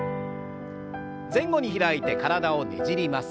前後に開いて体をねじります。